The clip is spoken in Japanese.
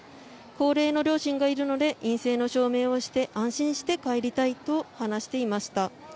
高齢の両親がいるので陰性の証明をして安心して帰りたいと話していました。